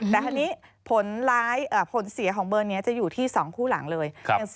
แต่พอผลเสียของเบอร์นี้จะอยู่ที่สองผู้หลังเลย